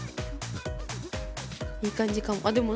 いい感じかも。